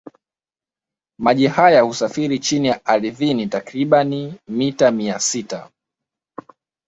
Maji haya husafiri chini ardhini takribani mita mia sita